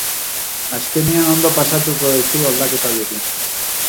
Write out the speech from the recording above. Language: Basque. Azkenean ondo pasatuko duzu aldaketa horiekin.